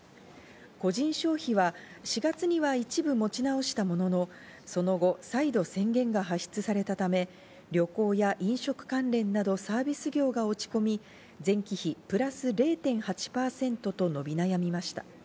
個人消費は４月には一部持ち直したものの、その後、再度宣言が発出されたため、旅行や飲食関連などサービス業が落ち込み、前期比プラス０．８％と伸び悩みました。